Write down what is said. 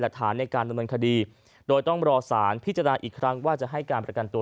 ฐานในการดำเนินคดีโดยต้องรอสารพิจารณาอีกครั้งว่าจะให้การประกันตัว